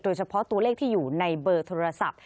โดยเฉพาะตัวเลขที่อยู่ในเบอร์โทรศัพท์